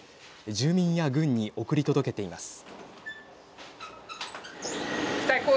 住民や軍に送り届けています。